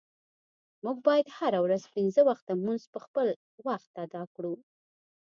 مونږه باید هره ورځ پنځه وخته مونز په خپل وخت اداء کړو.